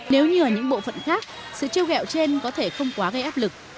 nếu như ở những bộ phận khác sự treo gẹo trên có thể không quá gây áp lực